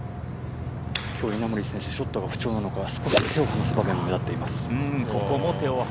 きょう、稲森選手ショットが不調なのか少し手を放す場面も目立っています。